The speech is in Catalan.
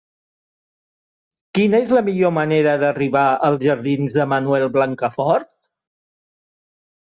Quina és la millor manera d'arribar als jardins de Manuel Blancafort?